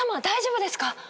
大丈夫ですか？